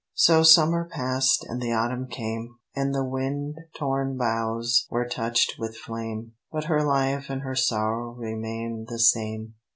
So summer passed and the autumn came; And the wind torn boughs were touched with flame; But her life and her sorrow remained the same.